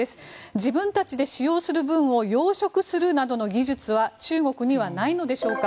自分たちで使用する分を養殖するなどの技術は中国にはないのでしょうか。